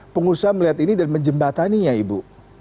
pengusaha melihat ini dan menjembataninya ibu